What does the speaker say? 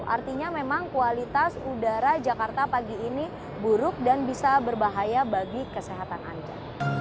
artinya memang kualitas udara jakarta pagi ini buruk dan bisa berbahaya bagi kesehatan anda